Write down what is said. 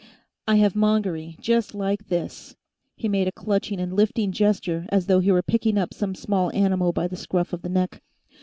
"I have Mongery just like this." He made a clutching and lifting gesture, as though he were picking up some small animal by the scruff of the neck.